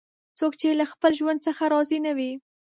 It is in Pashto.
څوک چې له خپل ژوند څخه راضي نه وي